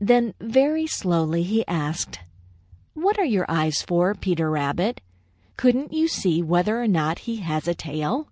Then very slowly he asked: "What are your eyes for, Peter Rabbit? Couldn't you see whether or not he has a tail?"